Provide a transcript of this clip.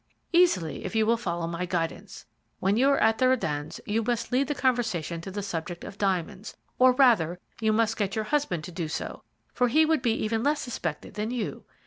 "'Easily, if you will follow my guidance. When you are at the Rödens', you must lead the conversation to the subject of diamonds, or rather you must get your husband to do so, for he would be even less suspected than you.